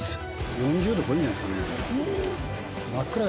４０度超えるんじゃないですかね。